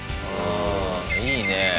いいね。